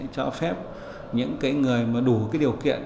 cho phép những người đủ điều kiện